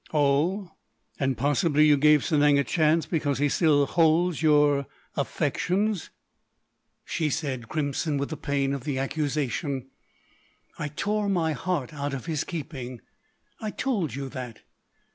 "Oh.... And possibly you gave Sanang a chance because he still holds your—affections!" She said, crimson with the pain of the accusation: "I tore my heart out of his keeping.... I told you that....